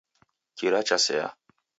Kira chasea